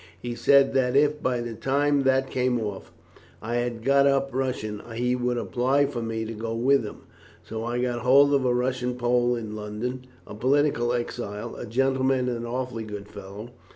He said that if by the time that came off I had got up Russian, he would apply for me to go with him, so I got hold of a Russian Pole in London, a political exile, a gentleman and an awfully good fellow.